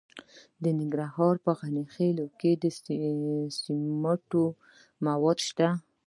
د ننګرهار په غني خیل کې د سمنټو مواد شته.